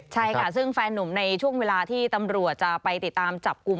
ใช่ค่ะซึ่งแฟนนุ่มในช่วงเวลาที่ตำรวจจะไปติดตามจับกลุ่ม